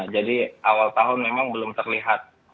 jadi awal tahun memang belum terlihat